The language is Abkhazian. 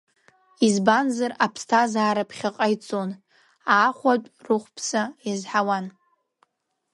Избанзар, аԥсҭазаара ԥхьаҟа ицон, аахәатә рыхәԥса иазҳауан.